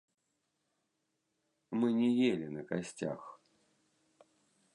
Мы не елі на касцях.